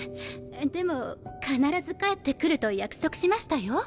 でも必ず帰ってくると約束しましたよ。